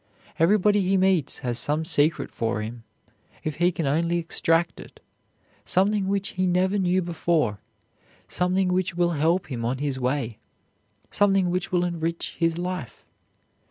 Everybody he meets has some secret for him, if he can only extract it, something which he never knew before, something which will help him on his way, something which will enrich his life.